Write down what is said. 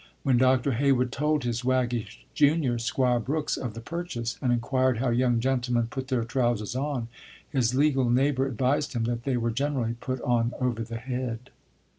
When Dr. Heywood told his waggish junior, 'Squire Brooks, of the purchase, and inquired how young gentlemen put their trousers on, his legal neighbor advised him that they were generally put on over the head.